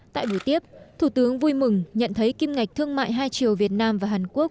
tại buổi tiếp thủ tướng vui mừng nhận thấy kim ngạch thương mại hai triệu việt nam và hàn quốc